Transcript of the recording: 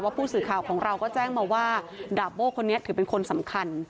ผู้สื่อข่าวของเราก็แจ้งมาว่าดาบโบ้คนนี้ถือเป็นคนสำคัญ